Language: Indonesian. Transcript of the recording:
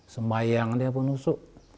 sembayang dia pun nusuk